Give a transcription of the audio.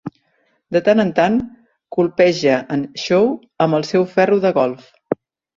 De tant en tant, colpeja en Shaw amb el seu ferro de golf.